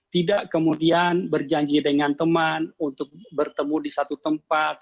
tidak kemudian berjanji dengan teman untuk bertemu di satu tempat